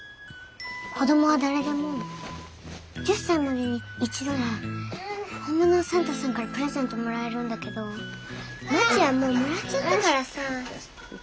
子どもは誰でも１０歳までに一度は本物のサンタさんからプレゼントもらえるんだけどまちはもうもらっちゃったからさ。